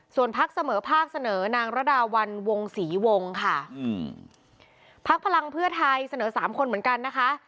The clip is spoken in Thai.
ส่วนพักเสมอภาคเสนอนางระดาวันวงศรีวงค่ะพักพลังเพื่อไทยเสนอสามคนเหมือนกันนะคะ